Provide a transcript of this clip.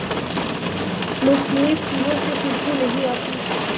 مصنوعی پھولوں سے خوشبو نہیں آتی۔